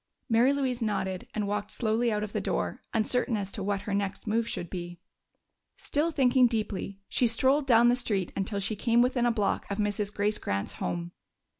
Mary Louise nodded and walked slowly out of the door, uncertain as to what her next move should be. Still thinking deeply, she strolled down the street until she came within a block of Mrs. Grace Grant's home.